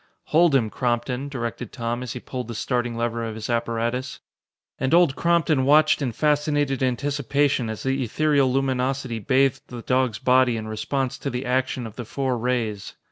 "Hold him, Crompton," directed Tom as he pulled the starting lever of his apparatus. And Old Crompton watched in fascinated anticipation as the ethereal luminosity bathed the dog's body in response to the action of the four rays.